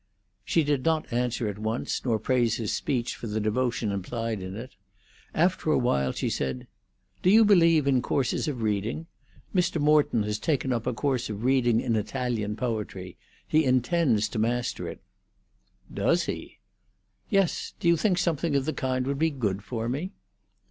She did not answer at once, nor praise his speech for the devotion implied in it. After a while she said: "Do you believe in courses of reading? Mr. Morton has taken up a course of reading in Italian poetry. He intends to master it." "Does he?" "Yes. Do you think something of the kind would be good for me?"